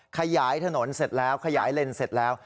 ขยายถนนเสร็จแล้วขยายเลนเสร็จแล้ว